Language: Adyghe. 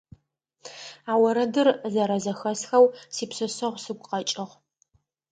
А орэдыр зэрэзэхэсхэу сипшъэшъэгъу сыгу къэкӀыгъ.